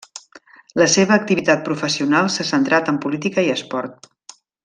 La seva activitat professional s'ha centrat en política i esport.